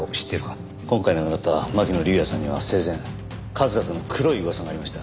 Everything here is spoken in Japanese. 今回亡くなった巻乃竜也さんには生前数々の黒い噂がありました。